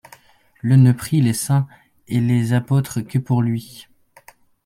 Ie ne prie les saincts et les apostres que pour luy.